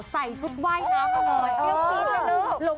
ใส่ชุดว่ายน้ำเหมือนเตี้ยวพีชเลยลง